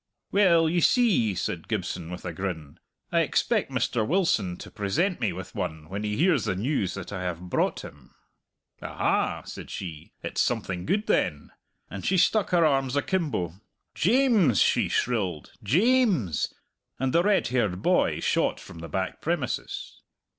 "Well, ye see," said Gibson, with a grin, "I expect Mr. Wilson to present me with one when he hears the news that I have brought him." "Aha!" said she, "it's something good, then," and she stuck her arms akimbo. "James!" she shrilled, "James!" and the red haired boy shot from the back premises.